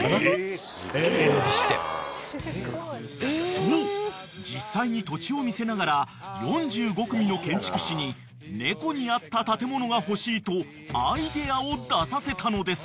［そう実際に土地を見せながら４５組の建築士に猫に合った建物が欲しいとアイデアを出させたのです］